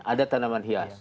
ada tanaman hias